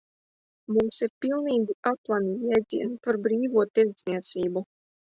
Mums ir pilnīgi aplami jēdzieni par brīvo tirdzniecību.